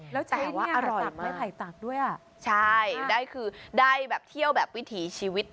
แต่ว่าอร่อยมากใช่ได้คือได้แบบเที่ยวแบบวิถีชีวิต